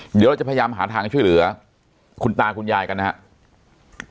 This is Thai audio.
เดี๋ยวเราจะพยายามหาทางช่วยเหลือคุณตาคุณยายกันนะครับ